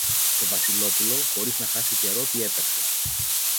Το Βασιλόπουλο, χωρίς να χάσει καιρό, διέταξε